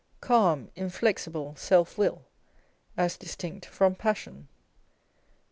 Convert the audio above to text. Calm inflexible self will, as distinct from passion ; 3.